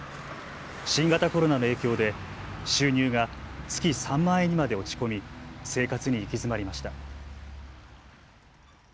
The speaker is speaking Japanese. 新型コロナの影響で収入が月３万円にまで落ち込み生活に行き詰まりました。